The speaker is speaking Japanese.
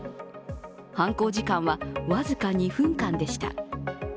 犯行時間は僅か２分間でした。